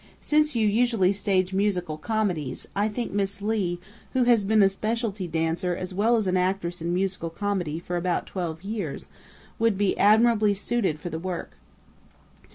Since you usually stage musical comedies, I think Miss Leigh, who has been a specialty dancer as well as an actress in musical comedy for about twelve years, would be admirably suited for the work.